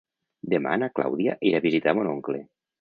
Demà na Clàudia irà a visitar mon oncle.